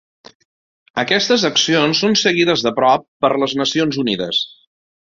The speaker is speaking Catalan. Aquestes accions són seguides de prop per les Nacions Unides.